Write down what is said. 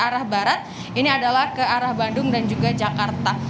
arah barat ini adalah ke arah bandung dan juga jakarta